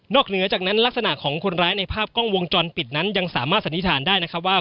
เหนือจากนั้นลักษณะของคนร้ายในภาพกล้องวงจรปิดนั้นยังสามารถสันนิษฐานได้นะครับว่า